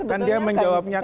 kan dia menjawabnya kan